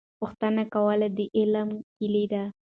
پوښتنه کول د علم کیلي ده.